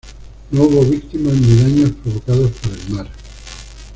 No hubo víctimas ni daños provocados por el mar.